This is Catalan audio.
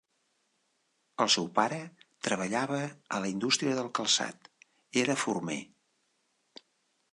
El seu pare treballava a la indústria del calçat, era former.